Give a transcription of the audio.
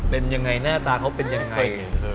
เป็นยังไงหน้าตาเขาเป็นยังไง